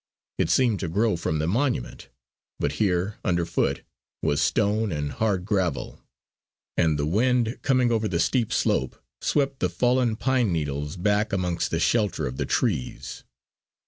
It seemed to grow from the monument, but here underfoot was stone and hard gravel; and the wind coming over the steep slope swept the fallen pine needles back amongst the shelter of the trees.